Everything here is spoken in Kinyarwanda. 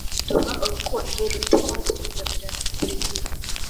aduha urukundo rutuma twegamirana buri gihe